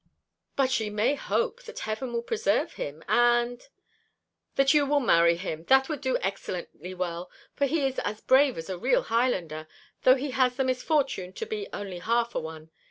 "But she may hope that heaven will preserve him, and " "That you will marry him. That would do excellently well, for he is as brave as a real Highlander, though he has the misfortune to be only half a one.